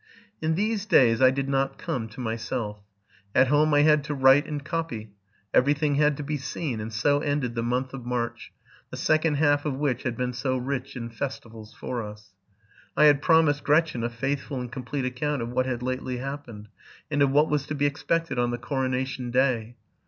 In these days I did not come to myself. At home I had to write and copy; every thing had to be seen: and so ended the month of March, the second half of which had been so rich in festivals for us. I had promised Gretchen a faithful and complete account of what had lately happened, and of what was to be expected on the coronation day.